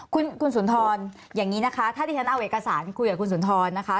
คุณคุณสุนทรอย่างนี้นะคะถ้าที่ฉันเอาเอกสารคุยกับคุณสุนทรนะคะ